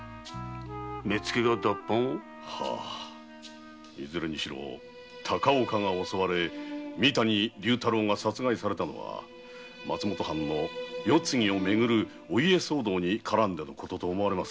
目付が脱藩⁉いずれにしろ高岡が襲われ三谷竜太郎が殺害されたのは松本藩世継ぎをめぐるお家騒動に絡んだことと思われます。